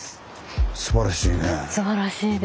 すばらしいね。